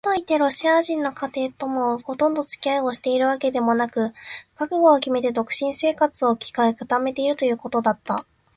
かといってロシア人の家庭ともほとんどつき合いをしているわけでもなく、覚悟をきめた独身生活を固めているということだった。